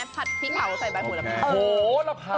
พัดพริกเผาใส่ใบหัวโหราพา